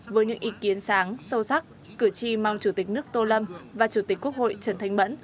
với những ý kiến sáng sâu sắc cử tri mong chủ tịch nước tô lâm và chủ tịch quốc hội trần thanh mẫn